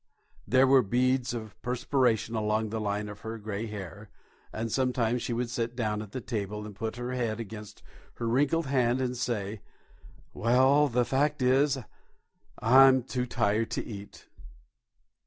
There were beads of perspiration along the line of her grey hair, and sometimes she would sit down at the table, and put her head against her wrinkled hand and say, "Well, the fact is, I'm too tired to eat."